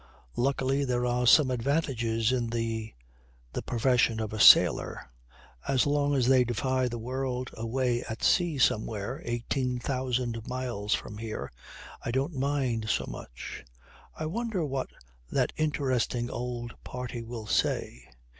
"Luckily there are some advantages in the the profession of a sailor. As long as they defy the world away at sea somewhere eighteen thousand miles from here, I don't mind so much. I wonder what that interesting old party will say.